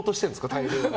大量に。